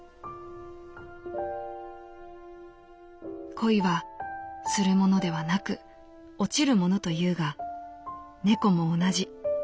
「恋は『する』ものではなく『落ちる』ものというが猫も同じ。